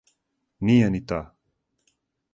Није ни та.